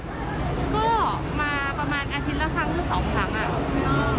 ก็มาประมาณอาทิตย์ละครั้งหรือสองครั้งอ่ะ